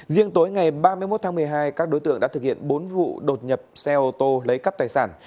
riêng tối ngày ba mươi một tháng một mươi hai các đối tượng đã thực hiện bốn vụ đột nhập xe ô tô lấy cắp tài sản